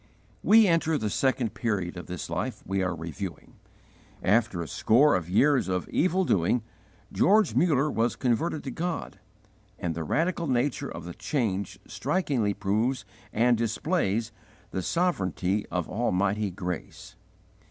We enter the second period of this life we are reviewing. After a score of years of evil doing George Muller was converted to God, and the radical nature of the change strikingly proves and displays the sovereignty of Almighty Grace.